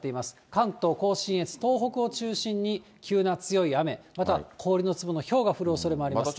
関東甲信越、東北を中心に急な強い雨、また氷の粒のひょうが降るおそれがあります。